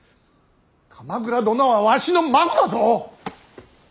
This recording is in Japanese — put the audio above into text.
鎌倉殿はわしの孫だぞ！